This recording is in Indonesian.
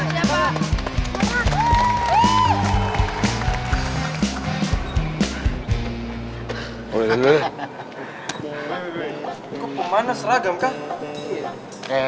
kok pemanas seragam kak